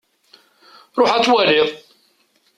Ruḥ ad twaliḍ.